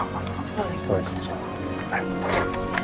gak ada yang mau berbicara